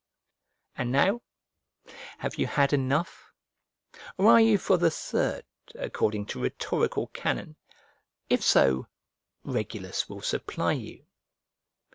And now have you had enough? or are you for the third, according to rhetorical canon? If so, Regulus will supply you.